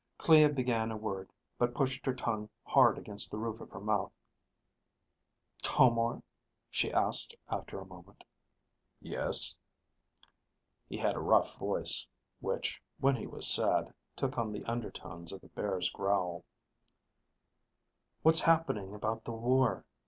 Clea began a word, but pushed her tongue hard against the roof of her mouth. "Tomar?" she asked after a moment. "Yes?" He had a rough voice, which, when he was sad, took on the undertones of a bear's growl. "What's happening about the war?